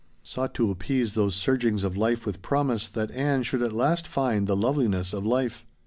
Sought to appease those surgings of life with promise that Ann should at last find the loveliness of life.